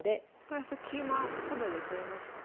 プラス桂馬ただで取れましたね。